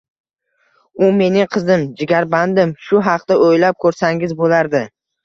U mening qizim, jigarbandim, shu haqda o`ylab ko`rsangiz bo`lardi